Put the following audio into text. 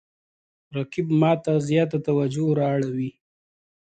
رقیب ما ته زیاته توجه را اړوي